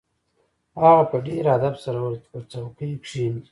هغه په ډیر ادب سره وویل چې په څوکۍ کښیني